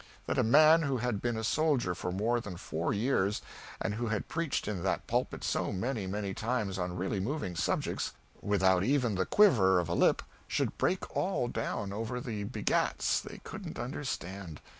That a man who had been a soldier for more than four years, and who had preached in that pulpit so many, many times on really moving subjects, without even the quiver of a lip, should break all down over the Begats, they couldn't understand.